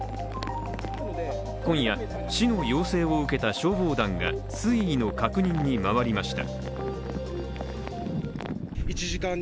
今夜、市の要請を受けた消防団が水位の確認に回りました。